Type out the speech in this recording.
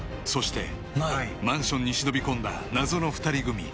そしてマンションに忍び込んだ謎の２人組